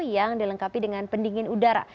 yang dilengkapi dengan pendingin udara